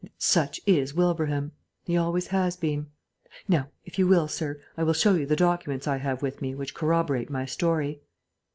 Such is Wilbraham. He always has been.... Now, if you will, sir, I will show you the documents I have with me which corroborate my story."